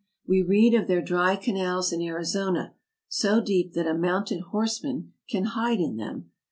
We read of their dry canals in Arizona, so deep that a mounted horseman can hide in them.